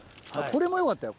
これもよかったよ